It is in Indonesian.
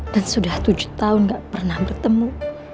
dan sudah tujuh tahun gak pernah bertemu